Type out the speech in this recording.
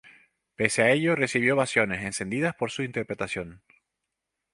Pese a ello, recibió ovaciones encendidas por su interpretación.